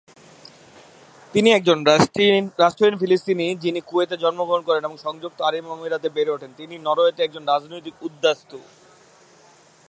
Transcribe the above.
তিনি একজন রাষ্ট্রহীন ফিলিস্তিনি যিনি কুয়েতে জন্মগ্রহণ করেন এবং সংযুক্ত আরব আমিরাতে বেড়ে ওঠেন, তিনি এখন নরওয়েতে একজন রাজনৈতিক উদ্বাস্তু।